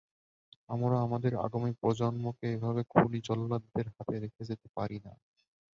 আমরা আমাদের আগামী প্রজন্মকে এভাবে খুনি-জল্লাদদের হাতে রেখে যেতে পারি না।